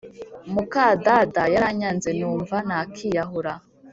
Mukadada yaranyanze numva nakiyahura